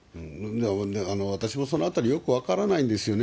私もそのあたりよく分からないんですよね。